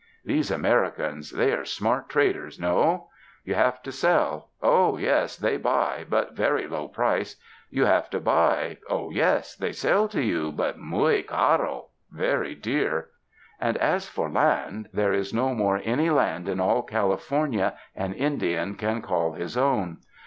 These Americans, they are smart traders, not You have to sell; oh, yes, they buy, but very low price ; you have to buy, oh, yes, they sell to you, but muy caro, very dear. And, as for land, there is no more any land in all California an Indian can call his own.